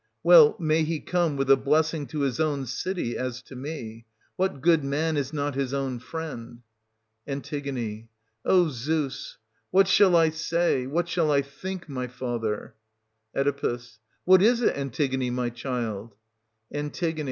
Well, may he come with a blessing to his own city, as to me !— What good man is not his own friend ? An. O Zeus ! what shall I say, what shall I think, 310 my father ? Oe. What is it, Antigone, my child t An.